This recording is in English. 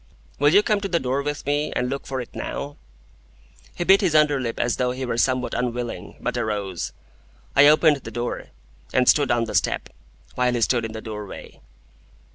"Will you come to the door with me, and look for it now?" He bit his under lip as though he were somewhat unwilling, but arose. I opened the door, and stood on the step, while he stood in the doorway.